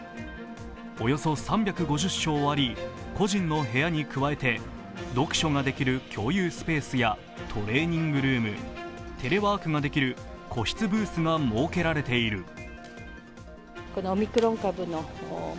およそ３５０床あり、個人の部屋に加えて読書ができる共有スペースやトレーニングルームテレワークができる個室ブースが設けられている。